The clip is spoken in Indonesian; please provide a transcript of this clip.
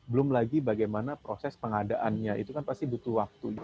belum lagi bagaimana proses pengadaannya itu kan pasti butuh waktu